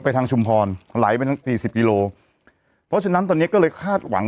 ทางชุมพรไหลไปทางสี่สิบกิโลเพราะฉะนั้นตอนนี้ก็เลยคาดหวัง